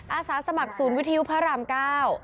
อาสาสมัครศูนย์วิทยุพระรามเก้า